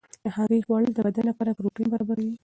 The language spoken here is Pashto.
د هګۍ خوړل د بدن لپاره پروټین برابروي.